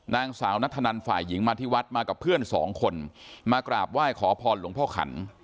นางสาวนัทธนันฝ่ายหญิงมาที่วัดมากับเพื่อนสองคนมากราบไหว้ขอพรหลวงพ่อขัน